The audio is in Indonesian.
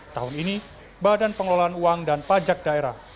tahun ini badan pengelolaan uang dan pajak daerah